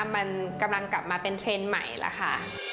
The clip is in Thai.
มันกำลังกลับมาเป็นเทรนด์ใหม่แล้วค่ะ